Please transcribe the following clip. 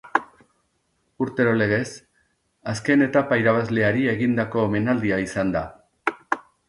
Urtero legez, azken etapa irabazleari egindako omenaldia izan da.